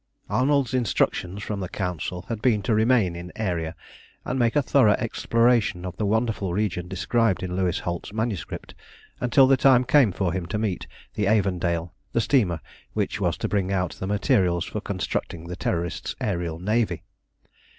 Arnold's instructions from the Council had been to remain in Aeria, and make a thorough exploration of the wonderful region described in Louis Holt's manuscript, until the time came for him to meet the Avondale, the steamer which was to bring out the materials for constructing the Terrorists' aërial navy.